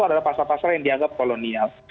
adalah pasal pasal yang dianggap kolonial